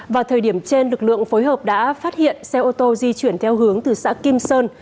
vào thời điểm trên lực lượng phối hợp đã phát hiện xe ô tô di chuyển theo hướng từ xã kim sơn